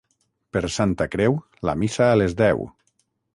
Per Santa Creu, la missa a les deu.